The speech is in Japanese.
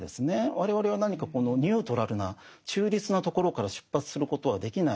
我々は何かニュートラルな中立なところから出発することはできない。